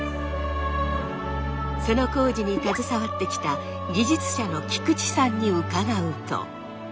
その工事に携わってきた技術者の菊地さんに伺うと。